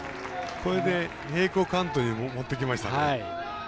これで並行カウントにもっていきましたんで。